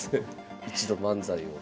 一度漫才を。